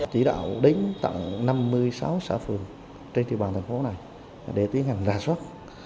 chỉ đạo đến tận năm mươi sáu xã phương trên thiên bàn thành phố này để tiến hành ra soát